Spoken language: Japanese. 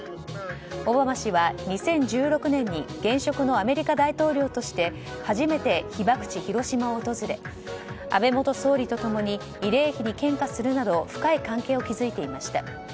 オバマ氏は２０１６年に初めて現職のアメリカ大統領として被爆地・広島を訪れ安倍元総理とともに慰霊碑に献花するなど安倍元総理と共に深い関係を気付いていました。